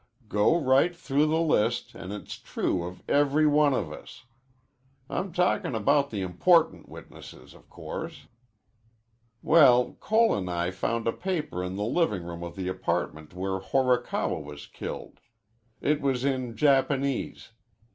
Go right through the list, an' it's true of every one of us. I'm talkin' about the important witnesses, of course. Well, Cole an' I found a paper in the living room of the apartment where Horikawa was killed. It was in Japanese.